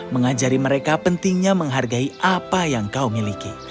mengajari mereka pentingnya menghargai apa yang kau miliki